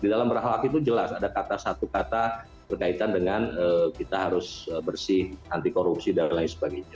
di dalam berhak itu jelas ada satu kata berkaitan dengan kita harus bersih anti korupsi dan lain sebagainya